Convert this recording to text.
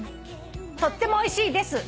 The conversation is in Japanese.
「とってもおいしいです。